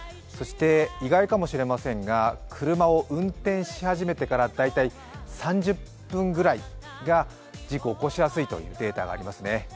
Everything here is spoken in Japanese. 意外かもしれませんが、車を運転し始めてから大体３０分が事故を起こしやすいというデータがありますね。